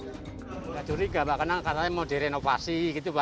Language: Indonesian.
tidak curiga karena katanya mau direnovasi